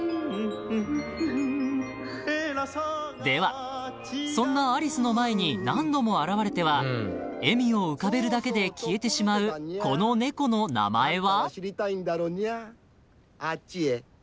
［ではそんなアリスの前に何度も現れては笑みを浮かべるだけで消えてしまうこの猫の名前は？］